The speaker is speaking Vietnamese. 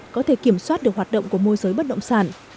có thể kiểm soát được hoạt động của môi giới bất động sản